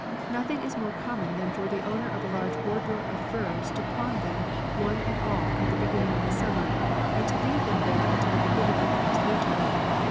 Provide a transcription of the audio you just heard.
Nothino^ is more common than for the owner of a large wardrobe of furs to pawn them one and all at the beginning of summer and to leave them there until the beginning of the next winter.